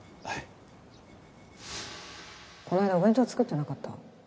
はいこないだお弁当作ってなかった？